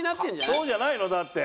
そうじゃないの？だって。